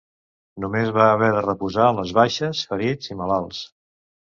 Només va haver de reposar les baixes, ferits i malalts.